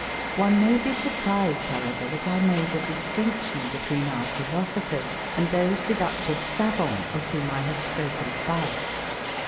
One may be surprised, however, that I made a distinction between our philosophers and those deductive savants of whom I have spoken above.